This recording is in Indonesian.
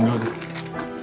nggak ada apa apa